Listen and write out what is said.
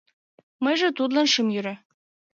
Мыйже тудлан шым йӧрӧ...